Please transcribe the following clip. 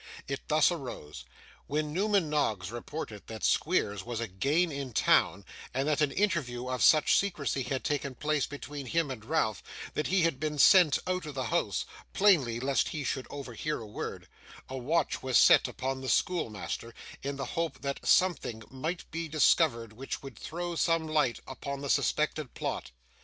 It thus arose. When Newman Noggs reported that Squeers was again in town, and that an interview of such secrecy had taken place between him and Ralph that he had been sent out of the house, plainly lest he should overhear a word, a watch was set upon the schoolmaster, in the hope that something might be discovered which would throw some light upon the suspected plot.